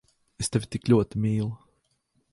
Es tevi tik ļoti mīlu…